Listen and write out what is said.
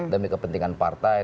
demi kepentingan partai